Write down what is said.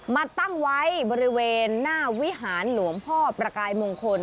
มาตั้งไว้บริเวณหน้าวิหารหลวงพ่อประกายมงคล